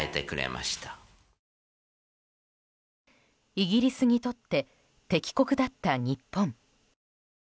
イギリスにとって敵国だった日本。